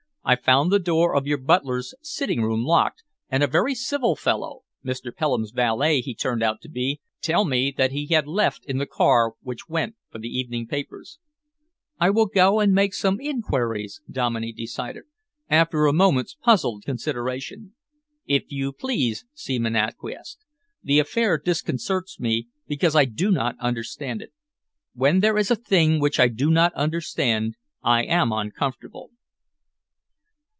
I found the door of your butler's sitting room locked, and a very civil fellow Mr. Pelham's valet he turned out to be told me that he had left in the car which went for the evening papers." "I will go and make some enquiries," Dominey decided, after a moment's puzzled consideration. "If you please," Seaman acquiesced. "The affair disconcerts me because I do not understand it. When there is a thing which I do not understand, I am uncomfortable."